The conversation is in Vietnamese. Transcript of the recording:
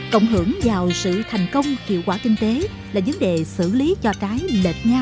cộng hưởng vào sự thành công hiệu quả kinh tế là vấn đề xử lý cho trái lệch nhau giữa các dường nhãn